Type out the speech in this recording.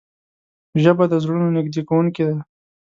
ژبه د زړونو نږدې کوونکې ده